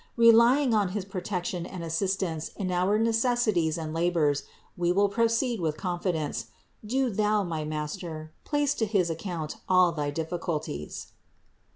Relying on his protection and assistance in our necessities and labors, we will proceed with confidence. Do thou, my master, place to his account all thy difficul ties."